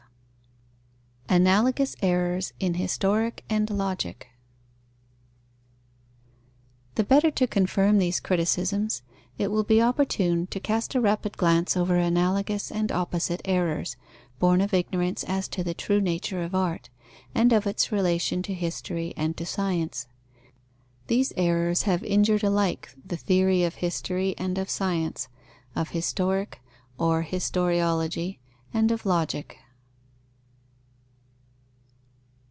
V ANALOGOUS ERRORS IN HISTORIC AND LOGIC The better to confirm these criticisms, it will be opportune to cast a rapid glance over analogous and opposite errors, born of ignorance as to the true nature of art, and of its relation to history and to science. These errors have injured alike the theory of history and of science, of Historic (or Historiology) and of Logic.